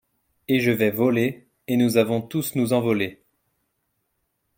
Et je vais voler, et nous avons tous nous envoler.